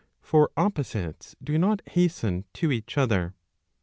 For opposites do not hasten to each other.